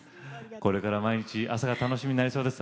これから毎日朝が楽しみになりそうです。